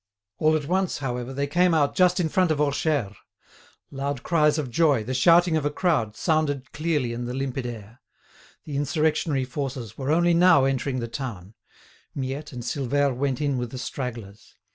All at once, however, they came out just in front of Orcheres. Loud cries of joy, the shouting of a crowd, sounded clearly in the limpid air. The insurrectionary forces were only now entering the town. Miette and Silvère went in with the stragglers.